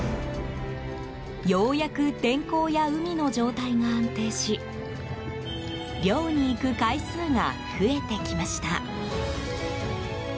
ようやく天候や海の状態が安定し漁に行く回数が増えてきました。